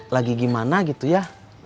lagi gimana gitu ya